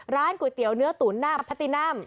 ร้านก๋วยเตี๋ยวเนื้อตุ๋นหน้าพะติน่ำ